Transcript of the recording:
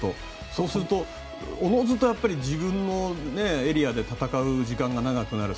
そうすると、おのずと自分のエリアで戦う時間が長くなる。